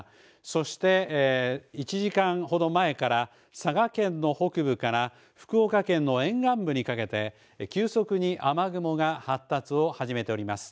そして１時間ほど前から佐賀県の北部から福岡県の沿岸部にかけて急速に雨雲が発達を始めております。